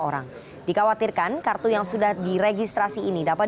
orang dikhawatirkan kartu yang sudah diregistrasi ini dapat